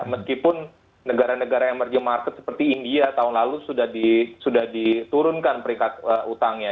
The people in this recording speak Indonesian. meskipun negara negara emerging market seperti india tahun lalu sudah diturunkan peringkat utangnya